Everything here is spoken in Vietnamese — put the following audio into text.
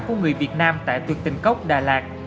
của người việt nam tại cực tình cốc đà lạt